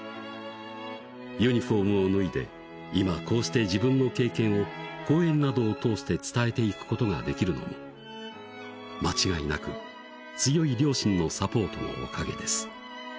「ユニフォームを脱いで今こうして自分の経験を講演等を通して伝えていく事が出来るのもまちがいなく強い両親のサポートのお陰です」